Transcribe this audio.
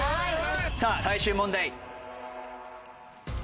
さあ最終問題。